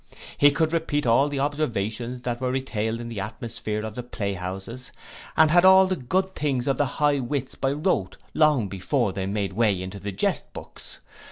He could repeat all the observations that were retailed in the atmosphere of the playhouses, and had all the good things of the high wits by rote long before they made way into the jest books.